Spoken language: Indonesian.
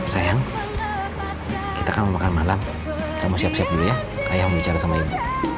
sayang kita kan mau makan malam kamu siap siap dulu ya kayak mau bicara sama ibu